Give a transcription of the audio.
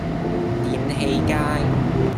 電氣街